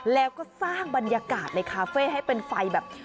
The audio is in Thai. และสร้างบรรยากาศในคาเฟ่ให้เป็นไฟ